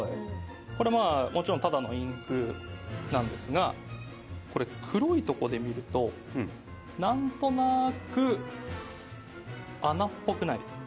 これまあもちろんただのインクなんですがこれ黒いとこで見るとなんとなーく穴っぽくないですか